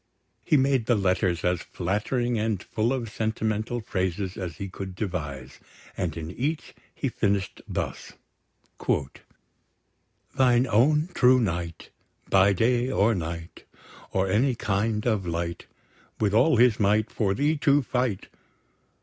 He made the letters as flattering and full of sentimental phrases as he could devise; and in each he finished thus: "Thine own true knight, By day or night. Or any kind of light, With all his might, For thee to fight.